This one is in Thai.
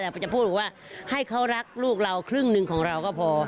มันจะพูดบอกว่าให้เขารักลูกเราครึ่งหนึ่งของเราก็พอ